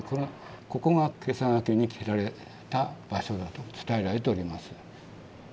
ここがけさ懸けに切られた場所だと伝えられております。